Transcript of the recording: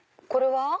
これは？